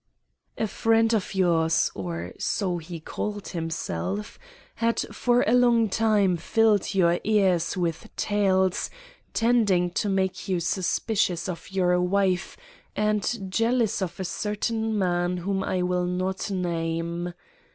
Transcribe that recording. "A friend of yours, or so he called himself, had for a long time filled your ears with tales tending to make you suspicious of your wife and jealous of a certain man whom I will not name.